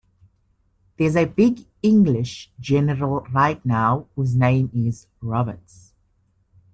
There's a big English general right now whose name is Roberts.